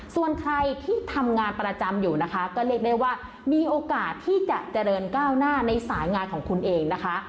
ส่วนใครที่ทำงานประจำอยู่นะคะก็เรียกได้ว่ามีโอกาสที่จะเจริญก้าวหน้าในสายงานของคุณเองนะคะ